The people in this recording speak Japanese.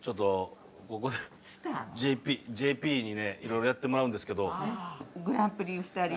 ここでＪＰにいろいろやってもらうんですけど。